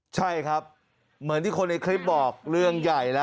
ใช่ครับเหมือนที่คนในคลิปบอกเรื่องใหญ่แล้ว